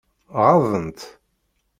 Ɣaḍen-tt?